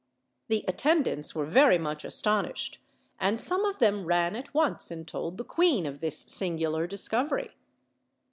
The attendants were very much aston ished, and some of them ran at once and told the queen of this singular discovery.